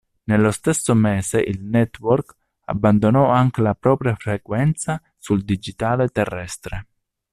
Nello stesso mese il network abbandonò anche la propria frequenza sul digitale terrestre.